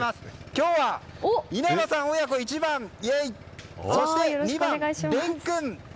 今日は稲葉さん親子、１番そして２番、れん君！